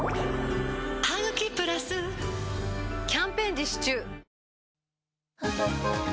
「ハグキプラス」キャンペーン実施中